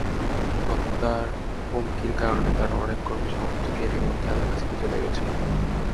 হত্যার হুমকির কারণে তাঁর অনেক কর্মী-সমর্থক এরই মধ্যে এলাকা ছেড়ে চলে গেছেন।